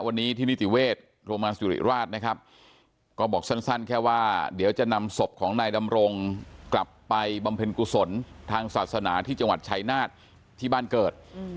วันนี้ที่นิติเวชโรงพยาบาลสุริราชนะครับก็บอกสั้นแค่ว่าเดี๋ยวจะนำศพของนายดำรงกลับไปบำเพ็ญกุศลทางศาสนาที่จังหวัดชายนาฏที่บ้านเกิด